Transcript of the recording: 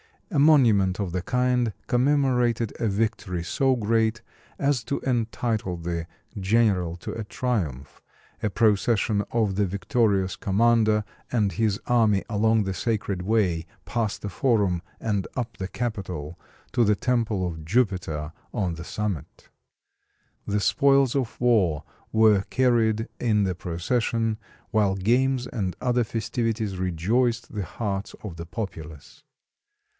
A monument of the kind commemorated a victory so great as to entitle the general to a triumph, a procession of the victorious commander and his army along the Sacred Way, past the Forum, and up the Capitol to the temple of Jupiter on the summit. The spoils of war were carried in the procession, while games and other festivities rejoiced the hearts of the populace.